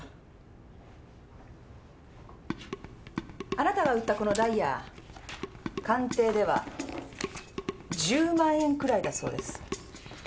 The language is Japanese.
あなたが売ったこのダイヤ鑑定では１０万円くらいだそうです。